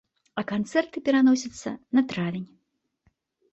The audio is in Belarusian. А канцэрты пераносяцца на травень.